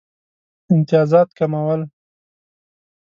امتیازات کمول.